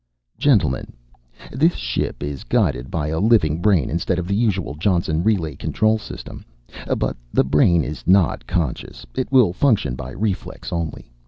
"Gentlemen, this ship is guided by a living brain instead of the usual Johnson relay control system. But the brain is not conscious. It will function by reflex only.